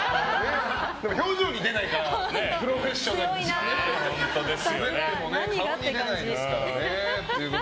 表情に出ないからプロフェッショナルですよね。